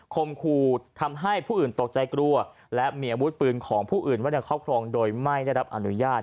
คมครูทำให้ผู้อื่นตกใจกลัวและมีอาวุธปืนของผู้อื่นไว้ในครอบครองโดยไม่ได้รับอนุญาต